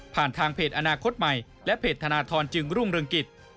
ผ่านทางเพจอนาคตใหม่และเพจธนาธรณ์จึงรุ่งเริงกฤทธิ์